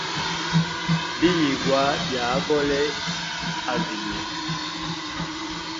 Biyigwa bya agole a vilye.